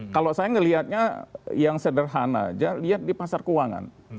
kalau saya melihatnya yang sederhana aja lihat di pasar keuangan